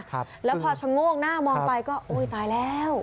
ครับแล้วพอชะโงกหน้ามองไปก็โอ้ยตายแล้ว